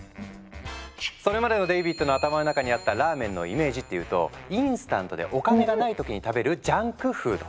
それまでのデイビッドの頭の中にあったラーメンのイメージっていうとインスタントでお金がない時に食べるジャンクフード。